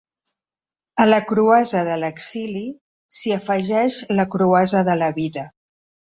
A la cruesa de l’exili, s’hi afegeix la cruesa de la vida.